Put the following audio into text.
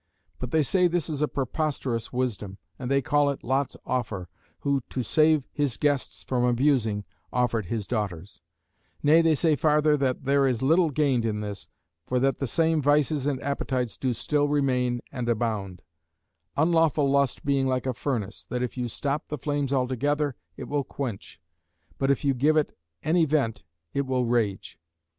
But they say this is a preposterous wisdom; and they call it Lot's offer, who to save his guests from abusing, offered his daughters: nay they say farther that there is little gained in this; for that the same vices and appetites do still remain and abound; unlawful lust being like a furnace, that if you stop the flames altogether, it will quench; but if you give it any vent, it will rage.